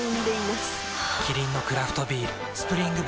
キリンのクラフトビール「スプリングバレー」